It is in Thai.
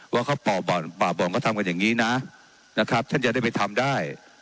ว่าเขาปอบบ่อนก็ทำกันอย่างนี้นะท่านจะได้ไปทำได้